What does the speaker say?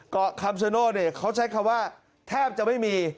เกาะคำชโนธเขาใช้คำว่าแทบจะไม่มี